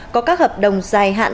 có các hợp đồng dài hạn